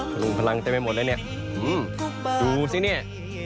พลุงพลังเต็มไม่หมดด้วยเนี้ยสิเนี่ย